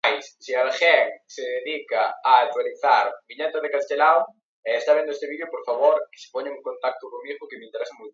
Está situado en el noroeste de la Comunidad de Madrid, en España.